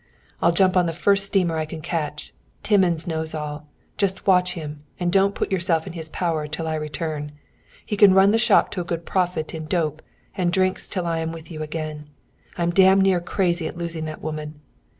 "I'll jump on the first steamer I can catch! Timmins knows all. Just watch him, and don't put yourself in his power, till I return. He can run the shop to a good profit in 'dope' and drinks till I am with you again. I'm damned near crazy at losing that woman."